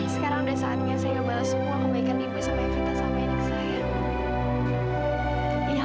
sekarang udah saatnya saya balas semua kebaikan ibu sama evita sama enissa ya